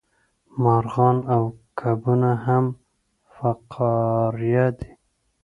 مارغان او کبونه هم فقاریه دي